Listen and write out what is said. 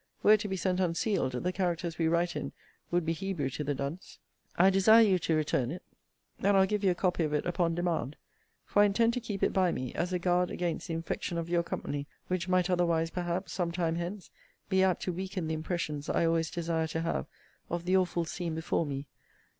Were it to be sent unsealed, the characters we write in would be Hebrew to the dunce. I desire you to return it; and I'll give you a copy of it upon demand; for I intend to keep it by me, as a guard against the infection of your company, which might otherwise, perhaps, some time hence, be apt to weaken the impressions I always desire to have of the awful scene before me.